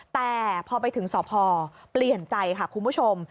แต่พอไปถึงสพเปลี่ยนใจค่ะคุณผู้ชม